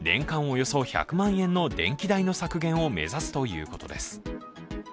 およそ１００万円の電気代の削減を目指すということです。